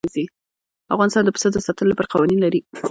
افغانستان د پسه د ساتنې لپاره قوانین لري.